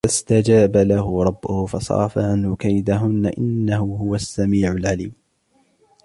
فاستجاب له ربه فصرف عنه كيدهن إنه هو السميع العليم